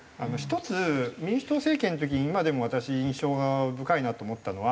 １つ民主党政権の時に今でも私印象深いなと思ったのは。